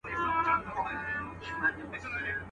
د غزلونو ربابونو مېنه.